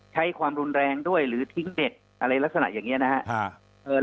ใช้ความรุนแรงด้วยหรือทิ้งเด็กอะไรลักษณะอย่างนี้นะครับ